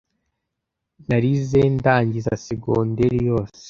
Narize ndangiza secondary, yose